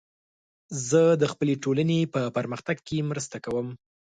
زه د خپلې ټولنې په پرمختګ کې مرسته کوم.